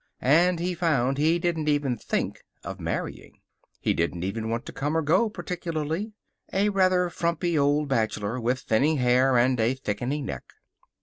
And he found he didn't even think of marrying. He didn't even want to come or go, particularly. A rather frumpy old bachelor, with thinning hair and a thickening neck.